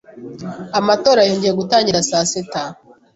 Amatora yongeye gutangira saa sita.